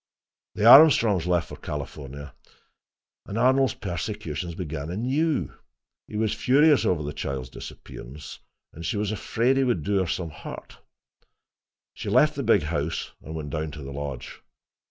The Armstrongs left for California, and Arnold's persecutions began anew. He was furious over the child's disappearance and she was afraid he would do her some hurt. She left the big house and went down to the lodge.